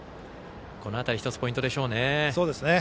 この辺りが１つポイントでしょう。